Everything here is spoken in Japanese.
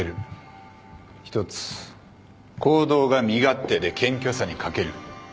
一つ行動が身勝手で謙虚さに欠ける。